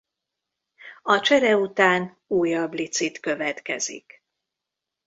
A csere után újabb licit következik.